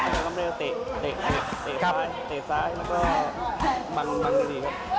อาศัยความเร็วเตะซ้ายแล้วก็บังดีครับ